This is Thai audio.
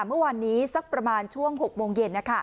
เมื่อวานนี้สักประมาณช่วง๖โมงเย็น